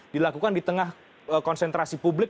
dilakukan di tengah konsentrasi publik